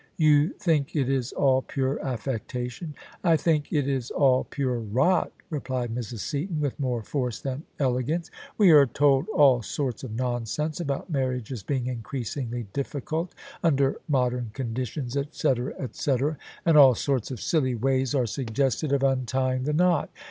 " You think it is all pure affectation? "" I think it is all pure rot," replied Mrs. Seaton with more force than elegance. " We are told all sorts of non sense about marriages being increasingly difficult under mod ern conditions, etc., etc, and all sorts of silly wajrs are suggested of untying the knot.